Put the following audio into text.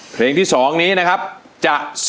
โปรดติดตามต่อไป